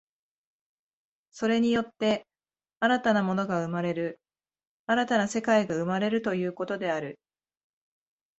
それによって新たな物が生まれる、新たな世界が生まれるということである。